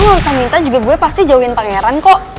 gak usah minta juga gue pasti jauhin pangeran kok